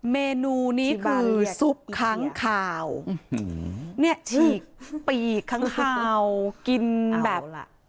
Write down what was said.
เมนูนี้คือซุปค้างข่าวเนี่ยฉีกปีกค้างคาวกินแบบ